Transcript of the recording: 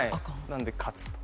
なので勝つと。